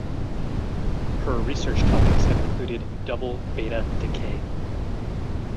Her research topics have included double beta decay.